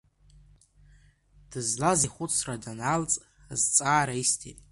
Дызлаз ихәыцра данаалҵ, азҵаара исҭеит…